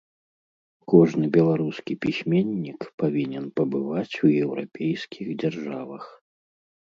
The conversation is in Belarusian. Кожны беларускі пісьменнік павінен пабываць у еўрапейскіх дзяржавах.